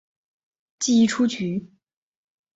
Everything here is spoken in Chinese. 记一出局。